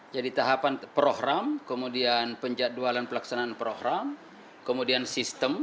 jadi tahapan program kemudian penjadwalan pelaksanaan program kemudian sistem